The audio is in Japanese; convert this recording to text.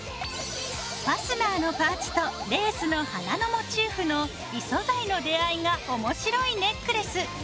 ファスナーのパーツとレースの花のモチーフの異素材の出会いが面白いネックレス。